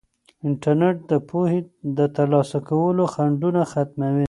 انټرنیټ د پوهې د ترلاسه کولو خنډونه ختموي.